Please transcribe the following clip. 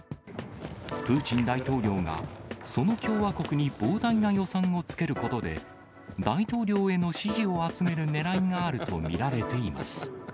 プーチン大統領が、その共和国に膨大な予算をつけることで、大統領への支持を集めるねらいがあると見られています。